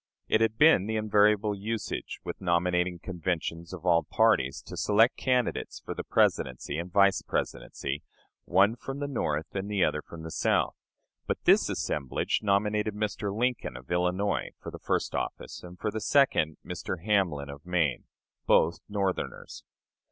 It had been the invariable usage with nominating conventions of all parties to select candidates for the Presidency and Vice Presidency, one from the North and the other from the South; but this assemblage nominated Mr. Lincoln, of Illinois, for the first office, and for the second, Mr. Hamlin, of Maine both Northerners.